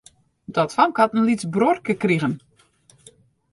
Dat famke hat in lyts bruorke krigen.